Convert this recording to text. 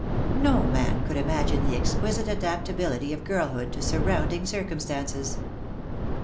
No man could imagine the exquisite adapt ability of girlhood to surrounding circumstances.